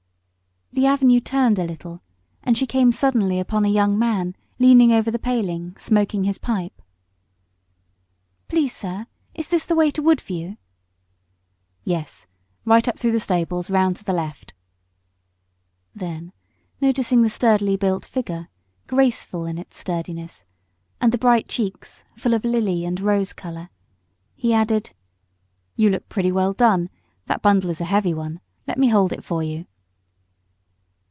The avenue turned a little, and she came suddenly upon a young man leaning over the paling, smoking his pipe. "Please sir, is this the way to Woodview?" "Yes, right up through the stables, round to the left." Then, noticing the sturdily built figure, yet graceful in its sturdiness, and the bright cheeks, he said, "You look pretty well done; that bundle is a heavy one, let me hold it for you."